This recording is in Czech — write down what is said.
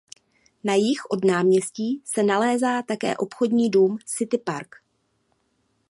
Na jih od náměstí se nalézá také obchodní dům City Park.